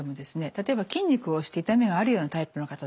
例えば筋肉を押して痛みがあるようなタイプの方ですね。